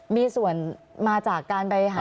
มีส่วนมาจากการไปหาเสียงอายะ